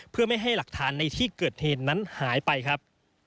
เพื่อไม่ให้หลักฐานในที่เกิดเหตุนั้นหายไปครับ